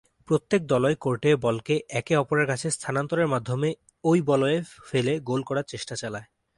প্রত্যেক দলই কোর্টে বলকে একে-অপরের কাছে স্থানান্তরের মাধ্যমে ঐ বলয়ে ফেলে গোল করার চেষ্টা চালায়।